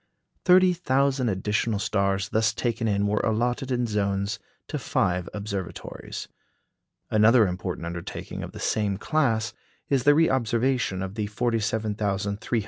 Thirty thousand additional stars thus taken in were allotted in zones to five observatories. Another important undertaking of the same class is the reobservation of the 47,300 stars in Lalande's Histoire Céleste.